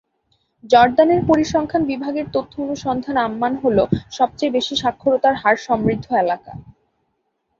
জর্দানের পরিসংখ্যান বিভাগের তথ্য অনুসন্ধান আম্মান হল সবচেয়ে বেশি স্বাক্ষরতার হার সমৃদ্ধ এলাকা।